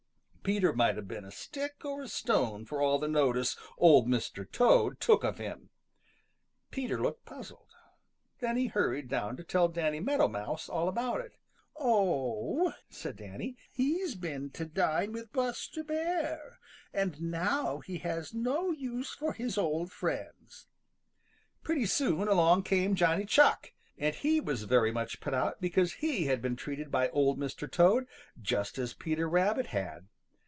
Peter might have been a stick or a stone for all the notice Old Mr. Toad took of him. Peter looked puzzled. Then he hurried down to tell Danny Meadow Mouse about it. "Oh," said Danny, "he's been to dine with Buster Bear, and now he has no use for his old friends." Pretty soon along came Johnny Chuck, and he was very much put out because he had been treated by Old Mr. Toad just as Peter Rabbit had.